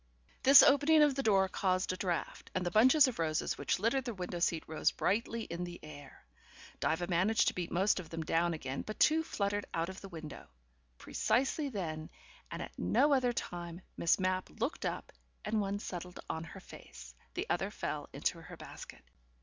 This opening of the door caused a draught, and the bunches of roses which littered the window seat rose brightly in the air. Diva managed to beat most of them down again, but two fluttered out of the window. Precisely then, and at no other time, Miss Mapp looked up, and one settled on her face, the other fell into her basket.